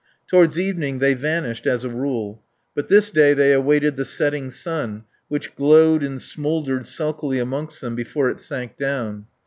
Toward evening they vanished as a rule. But this day they awaited the setting sun, which glowed and smouldered sulkily amongst them before it sank down.